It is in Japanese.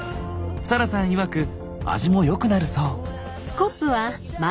サラさんいわく味もよくなるそう。